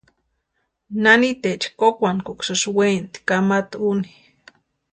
Naniteecha kókwantkuksï wenatʼi kamata úni.